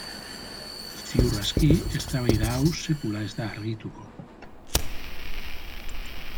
Ziur aski, eztabaida hau sekula ez da argituko.